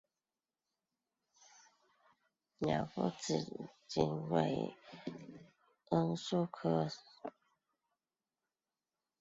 察隅紫堇为罂粟科紫堇属下的一个种。